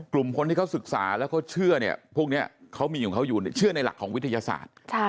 กลุ่มคนที่เขาศึกษาแล้วเขาเชื่อเนี่ยพวกนี้เขามีของเขาอยู่เชื่อในหลักของวิทยาศาสตร์